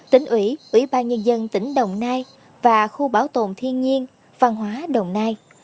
tỉnh ủy ủy ban nhân dân tỉnh đồng nai và khu bảo tồn thiên nhiên văn hóa đồng nai